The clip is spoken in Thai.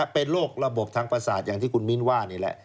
เป็นโรคระบบทางประสาทอย่างที่คุณมิ้นว่านี่แหละ